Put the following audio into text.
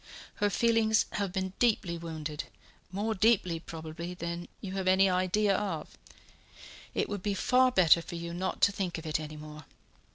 Her feelings have been deeply wounded more deeply, probably, than you have any idea of. It would be far better for you not to think of it any more.